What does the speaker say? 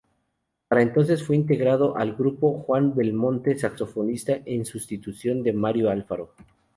Para entonces fue integrado al grupo Juan Belmonte, saxofonista, en sustitución de Mario Alfaro.